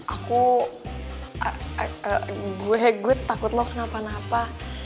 aku guegut takut lo kenapa napa